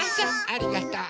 ありがとう。